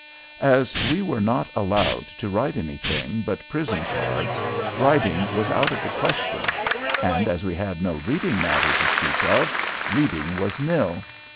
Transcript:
As we were not allowed to write anything but prison cards, writing was out of the question; and as we had no reading matter to speak of, reading was nil.